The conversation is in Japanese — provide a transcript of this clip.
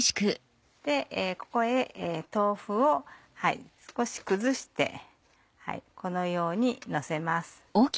ここへ豆腐を少し崩してこのようにのせます。